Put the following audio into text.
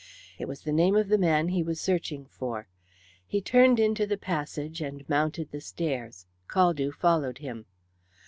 It was the name of the man he was searching for. He turned into the passage, and mounted the stairs. Caldew followed him.